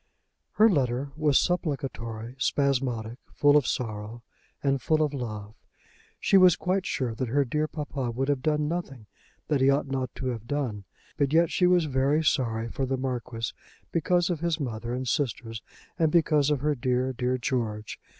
Her letter was supplicatory, spasmodic, full of sorrow, and full of love. She was quite sure that her dear papa would have done nothing that he ought not to have done; but yet she was very sorry for the Marquis, because of his mother and sisters, and because of her dear, dear George.